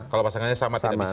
kalau pasangannya sama tidak bisa